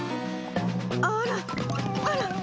あらあら！